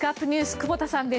久保田さんです。